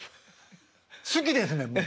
好きですねんもう。